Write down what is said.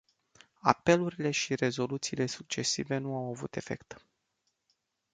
Apelurile și rezoluțiile succesive nu au avut efect.